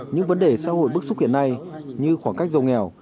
những vấn đề xã hội bức xúc hiện nay như khoảng cách giàu nghèo